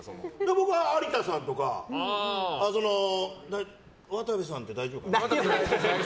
僕は有田さんとか渡部さんって大丈夫？